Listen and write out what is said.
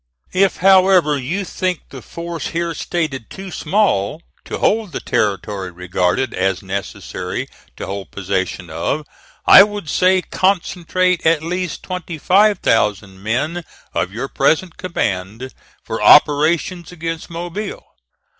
If however, you think the force here stated too small to hold the territory regarded as necessary to hold possession of, I would say concentrate at least twenty five thousand men of your present command for operations against Mobile.